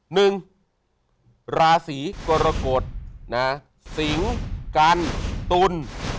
หนึ่งราศีกรกฎนะสิงกันตุล